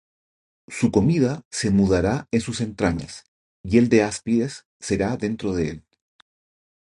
Su comida se mudará en sus entrañas, Hiel de áspides será dentro de él.